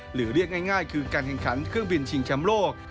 หรือเรียกง่ายคือการแข่งขันเครื่องบินชิงแชมป์โลก